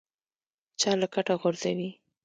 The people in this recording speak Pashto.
چا له کټه غورځوي.